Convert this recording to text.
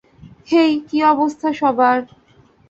হেই, কী অবস্থা সবার।